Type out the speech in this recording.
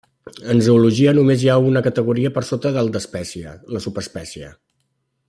En zoologia només hi ha una categoria per sota del d'espècie, la subespècie.